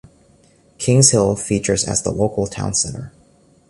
Kings Hill features as the local town centre.